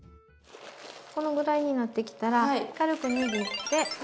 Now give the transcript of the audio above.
このぐらいになってきたら軽く握ってふる。